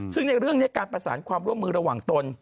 ซึ่งในเรื่องนี้การประสานความร่วมมือระหว่างตน